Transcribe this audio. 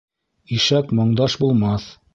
Ишәк моңдаш булмаҫ.